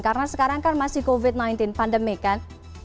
karena sekarang kan masih covid sembilan belas pandemi kan